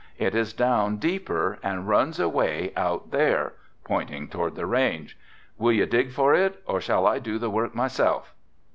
It is down deeper and runs away out there," pointing toward the range. "Will you dig for it or shall I do the work myself."